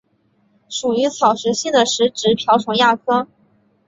属于草食性的食植瓢虫亚科。